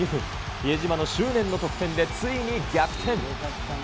比江島の執念の得点でついに逆転。